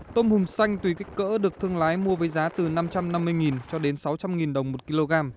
tôm hùm xanh tùy kích cỡ được thương lái mua với giá từ năm trăm năm mươi cho đến sáu trăm linh đồng một kg